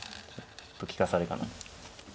ちょっと利かされかな。